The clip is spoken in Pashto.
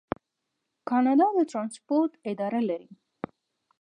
کاناډا د ټرانسپورټ اداره لري.